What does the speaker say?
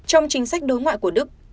trong chính sách đối ngoại của đức